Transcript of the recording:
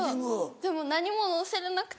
でも何ものせれなくて。